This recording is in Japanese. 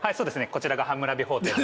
こちらがハンムラビ法典の。